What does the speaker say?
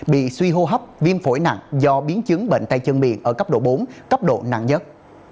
bị suy hô hấp viêm phổi nặng do biến chứng bệnh tay chân miệng ở cấp độ bốn cấp độ nặng nhất